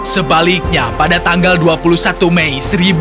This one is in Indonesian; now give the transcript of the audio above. sebaliknya pada tanggal dua puluh satu mei seribu lima ratus empat puluh dua